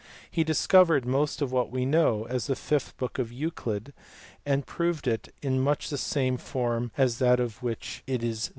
He discovered most of what we now know as the fifth book of Euclid, and proved it in much the same form as that in which it is there given.